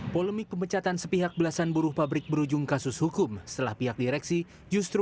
polemik pemecatan sepihak belasan buruh pabrik berujung kasus hukum setelah pihak direksi justru